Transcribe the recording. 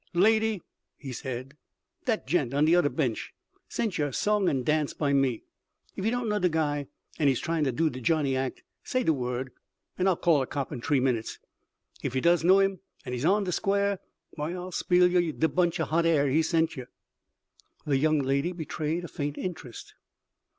"Lady," he said, "dat gent on de oder bench sent yer a song and dance by me. If yer don't know de guy, and he's tryin' to do de Johnny act, say de word, and I'll call a cop in t'ree minutes. If yer does know him, and he's on de square, w'y I'll spiel yer de bunch of hot air he sent yer." The young lady betrayed a faint interest.